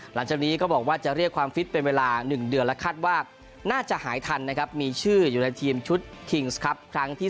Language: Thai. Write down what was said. หลังจากนี้ก็บอกว่าจะเรียกความฟิตเป็นเวลา๑เดือนและคาดว่าน่าจะหายทันนะครับมีชื่ออยู่ในทีมชุดคิงส์ครับครั้งที่๓